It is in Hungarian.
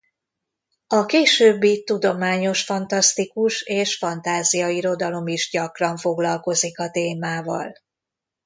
A későbbi tudományos-fantasztikus és fantázia-irodalom is gyakran foglalkozik a témával.